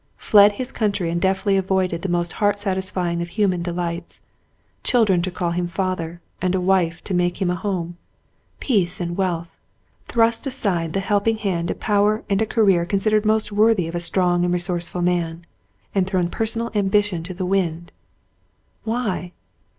Fled his country and deftly avoided the most heart satisfying of human delights — children to call him father, and wife to make him a home ; peace and wealth ; thrust aside the helping hand to power and a career considered most worthy of a strong and resourceful man, and thrown personal ambition to the winds. Why